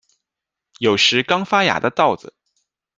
有时刚发芽的稻子